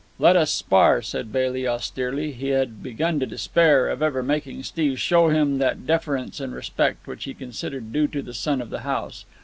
"Let us spar," said Bailey austerely. He had begun to despair of ever making Steve show him that deference and respect which he considered due to the son of the house.